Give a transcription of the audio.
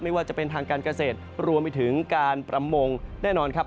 ไม่ว่าจะเป็นทางการเกษตรรวมไปถึงการประมงแน่นอนครับ